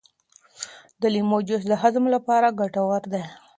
د لیمو جوس د هضم لپاره ګټور دی.